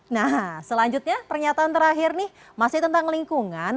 nah selanjutnya pernyataan terakhir nih masih tentang lingkungan